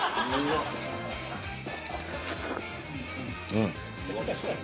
うん。